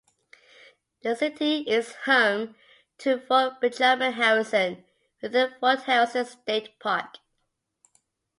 The city is home to Fort Benjamin Harrison within Fort Harrison State Park.